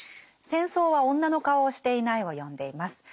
「戦争は女の顔をしていない」を読んでいます。